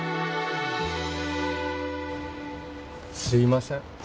すいません。